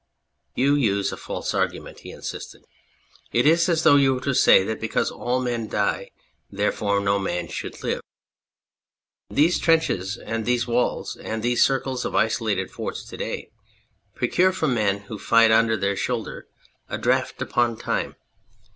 " You use a false argument," he insisted ;" it is as though you were to say that because all men die therefore no man should live. These trenches and these walls and these circles of isolated forts to day procure for men who fight under their shoulder a draft upon Time.